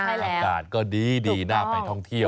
อากาศก็ดีน่าไปท่องเที่ยว